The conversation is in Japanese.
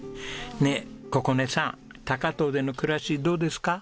ねえ心音さん高遠での暮らしどうですか？